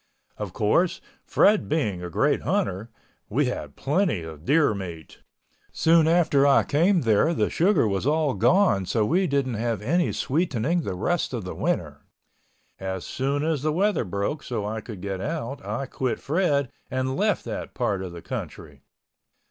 Of course, Fred being a great hunter, we had plenty of deer meat. Soon after I came there the sugar was all gone so we didn't have any sweetening the rest of the winter. As soon as the weather broke so I could get out I quit Fred and left that part of the country.